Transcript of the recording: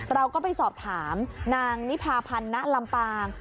เราก็ไปสอบถามนางนิพาพันธ์ณลำปาง